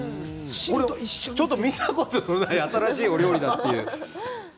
ちょっと見たことのない新しいお料理だ。